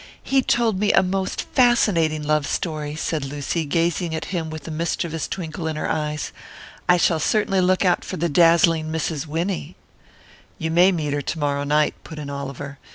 "He told me a most fascinating love story!" said Lucy, gazing at him with a mischievous twinkle in her eyes. "I shall certainly look out for the dazzling Mrs. Winnie." "You may meet her to morrow night," put in Oliver.